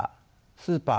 スーパー